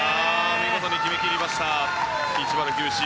見事に決めきりました１０５Ｃ。